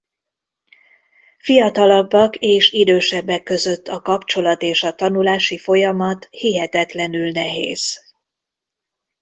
Fiatalabbak és idősebbek között a kapcsolat és a tanulási folyamat hihetetlenül nehéz.